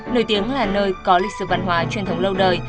nổi tiếng là nơi có lịch sử văn hóa truyền thống lâu đời